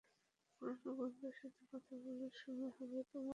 পুরানো বন্ধুর সাথে কথা বলার সময় হবে তোমার?